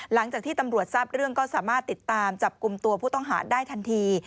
หลังจากที่ตำรวจทราบเรื่องก็สามารถติดตามจับกลุ่มตัวผู้ต้องหาได้ทันที